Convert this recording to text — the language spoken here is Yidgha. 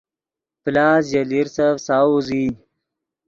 پلاس ژے لیرسف ساؤز ای